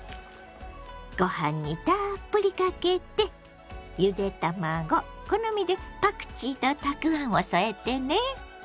ご飯にたっぷりかけてゆで卵好みでパクチーとたくあんを添えてね。